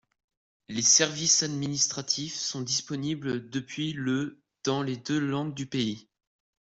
Les services administratifs sont disponibles depuis le dans les deux langues du pays.